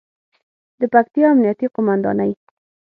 د پکتیا امنیې قوماندانۍ